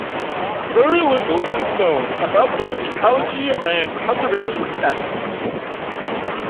Very little is known about its ecology and conservation status.